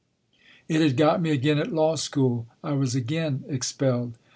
It had got me again at law school; I was again expelled.